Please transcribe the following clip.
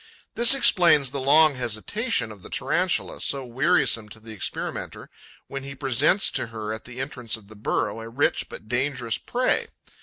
This explains the long hesitation of the Tarantula, so wearisome to the experimenter when he presents to her, at the entrance to the burrow, a rich, but dangerous prey.